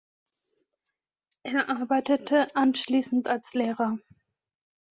Er arbeitete anschließend als Lehrer.